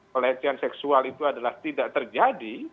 pelecehan seksual itu adalah tidak terjadi